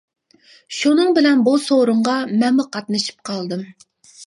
شۇنىڭ بىلەن بۇ سورۇنغا مەنمۇ قاتنىشىپ قالدىم.